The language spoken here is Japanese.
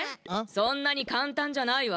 そんなにかんたんじゃないわ。